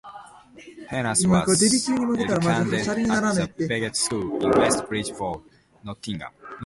Jenas was educated at the Becket School, in West Bridgford, Nottingham.